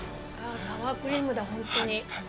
サワークリームだホントに。